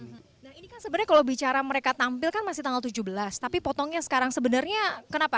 nah ini kan sebenarnya kalau bicara mereka tampil kan masih tanggal tujuh belas tapi potongnya sekarang sebenarnya kenapa